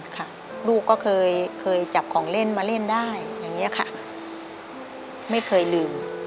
ค่ะลูกก็เคยจับของเล่นมาเล่นได้อย่างนี้ค่ะไม่เคยลืม